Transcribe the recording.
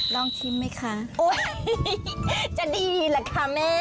ลองชิมมั้ยคะจะดีหรอค่ะแม่